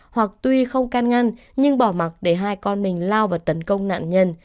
hoặc tuy không can ngăn nhưng bỏ mặt để hai con mình lao và tấn công nạn nhân